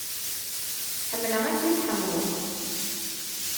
Ḥemmleɣ akken i tḥemmleḍ.